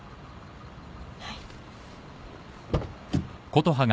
はい。